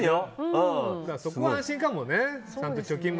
そこは安心かもね。